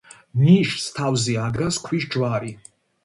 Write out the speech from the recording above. ნიშს თავზე ადგას ქვის ჯვარი.